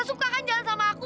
suka kan jalan sama aku